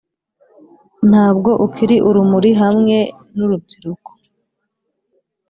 ntabwo ukiri urumuri hamwe nurubyiruko